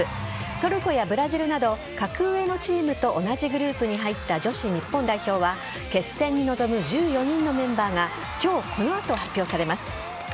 トルコやブラジルなど格上のチームと同じグループに入った女子日本代表は決戦に臨む１４人のメンバーが今日、この後発表されます。